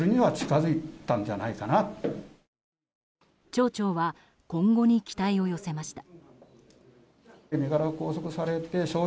町長は今後に期待を寄せました。